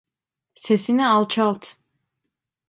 Sesini alçalt!